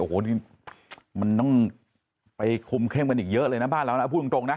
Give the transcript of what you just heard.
โอ้โหนี่มันต้องไปคุมเข้มกันอีกเยอะเลยนะบ้านเรานะพูดตรงนะ